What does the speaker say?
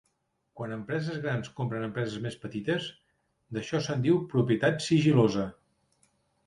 Quan empreses grans compren empreses més petites, d'això se'n diu propietat sigil·losa.